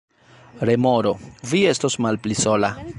Remoro: "Vi estos malpli sola."